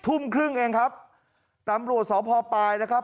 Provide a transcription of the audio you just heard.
ทุ่มครึ่งเองครับตำรวจสพปลายนะครับ